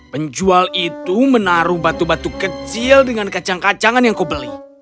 penjual itu menaruh batu batu kecil dengan kacang kacangan yang kau beli